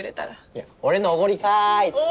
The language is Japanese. いや俺のおごりかいっつって。